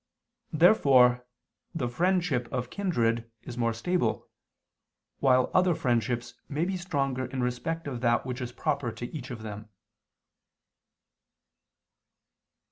Therefore the friendship of kindred is more stable, while other friendships may be stronger in respect of that which is proper to each of them.